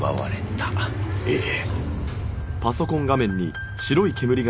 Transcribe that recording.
ええ。